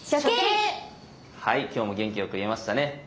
はい今日も元気よく言えましたね。